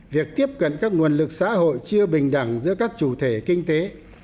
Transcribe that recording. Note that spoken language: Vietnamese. việc tiếp cận các nguồn lực xã hội chưa bình đẳng giữa các chủ thể kinh tế